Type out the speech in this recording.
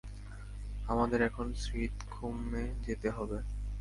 আমাদের এখন শীতঘুমে যেতে হবে।